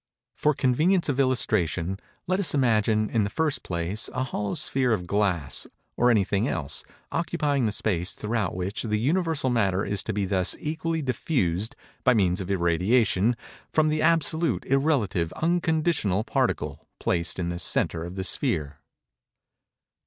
For convenience of illustration, let us imagine, in the first place, a hollow sphere of glass, or of anything else, occupying the space throughout which the universal matter is to be thus equally diffused, by means of irradiation, from the absolute, irrelative, unconditional particle, placed in the centre of the sphere.